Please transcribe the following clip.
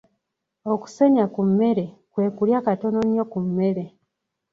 Okusenya ku mmere kwe kulya katono nnyo ku mmere.